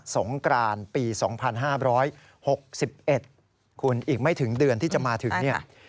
สงกรานปี๒๕๖๑คุณอีกไม่ถึงเดือนที่จะมาถึงเนี่ย